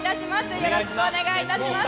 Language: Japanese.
よろしくお願いします。